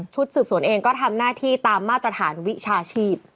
สืบสวนเองก็ทำหน้าที่ตามมาตรฐานวิชาชีพ